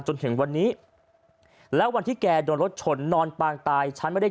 จนถึงวันนี้แล้ววันที่แกโดนรถชนนอนปางตายฉันไม่ได้